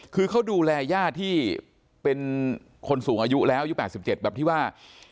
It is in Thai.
คือเขาดูแลย่าที่เป็นคนสูงอายุแล้วอายุ๘๗แบบที่ว่า